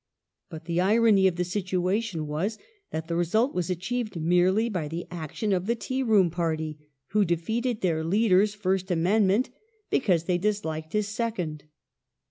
But the irony of the situation was that the result was achieved merely by the action of the " Tea room party," who defeated their leader's first amendment because they disliked his second.